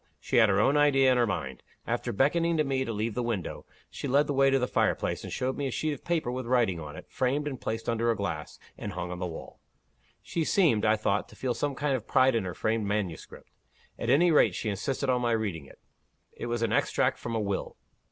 She had her own idea in her mind. After beckoning to me to leave the window, she led the way to the fire place, and showed me a sheet of paper with writing on it, framed and placed under a glass, and hung on the wall. She seemed, I thought, to feel some kind of pride in her framed manuscript. At any rate, she insisted on my reading it. It was an extract from a will."